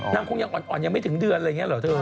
นางคงยังอ่อนอ่อนยังไม่ถึงเดือนอะไรแนี้ยเหรอเธอ